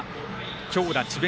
強打、智弁